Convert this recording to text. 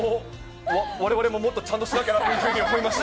われわれももっとちゃんとしなきゃなって思いました。